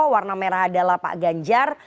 warna merah adalah pak ganjar